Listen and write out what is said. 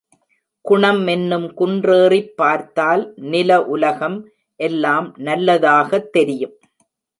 குணம் என்னும் குன்றேறிப் பார்த்தால் நில உலகம் எல்லாம் நல்லதாகத் தெரியும்.